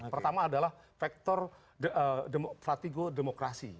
pertama adalah faktor pratigo demokrasi